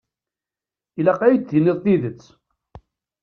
Ilaq ad yi-d-tiniḍ tidet.